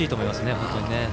本当に。